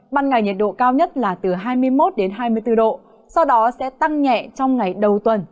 ban ngày nhiệt độ cao nhất là từ hai mươi một hai mươi bốn độ sau đó sẽ tăng nhẹ trong ngày đầu tuần